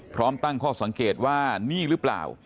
พร้อมตั้งข้อสังเกตว่านี่หรือเปล่า